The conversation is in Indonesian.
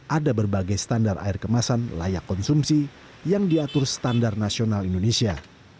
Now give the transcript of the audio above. ada berbagai standar air kemasan layak konsumsi yang diatur standar nasional indonesia